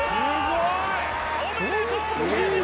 おめでとう、北口！